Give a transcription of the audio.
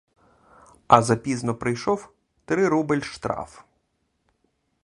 А за пізно прийшов — три рубель штраф.